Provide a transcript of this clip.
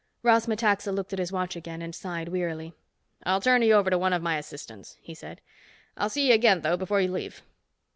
Ross Metaxa looked at his watch again and sighed wearily. "I'll turn you over to one of my assistants," he said. "I'll see you again, though, before you leave."